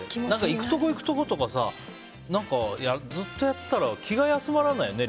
行くところ行くところとかずっとやってたら気が休まらないよね